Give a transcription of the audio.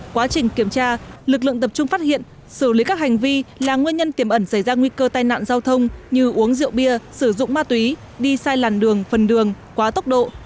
quá trình kiểm tra lực lượng tập trung phát hiện xử lý các hành vi là nguyên nhân tiềm ẩn xảy ra nguy cơ tai nạn giao thông như uống rượu bia sử dụng ma túy đi sai làn đường phần đường quá tốc độ